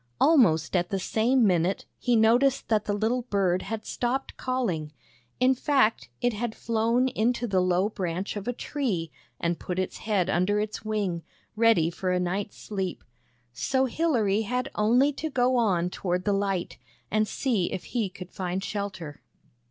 Almost at the same minute he noticed that the little bird had stopped calling; in fact, it had flown into the low branch of a tree and put its head under its wing, ready for a night's sleep. So Hilary had only to go on toward the light, and see if he could find shelter.